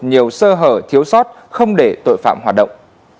nhiều sơ hở thiếu sót không để tội phạm hoạt động